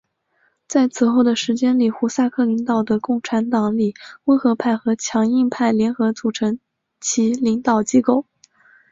在此后的时间里胡萨克领导的共产党里温和派和强硬派联合组成其领导机构。